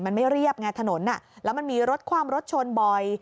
มันไม่เรียบไงถนนแล้วมันมีรถคว่ำรถชนบ่อย